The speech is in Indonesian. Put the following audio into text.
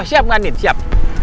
oh siap mbak andin siap